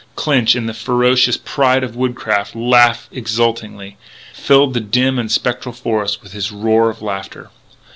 Clinch, in the ferocious pride of woodcraft, laughed exultingly filled the dim and spectral forest with his roar of laughter.